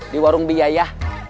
di warung biaya